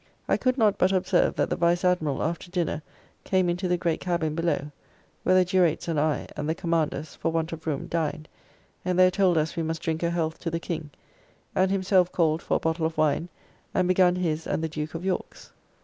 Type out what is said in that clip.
I could not but observe that the Vice Admiral after dinner came into the great cabin below, where the Jurates and I and the commanders for want of room dined, and there told us we must drink a health to the King, and himself called for a bottle of wine, and begun his and the Duke of York's.